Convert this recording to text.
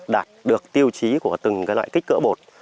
đạt được tiêu chí của từng loại kích cỡ bột